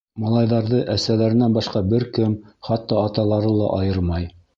Малайҙарҙы әсәләренән башҡа бер кем, хатта аталары ла айырмай.